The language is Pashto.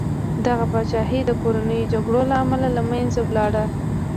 دغه پاچاهي د کورنیو جګړو له امله له منځه لاړه.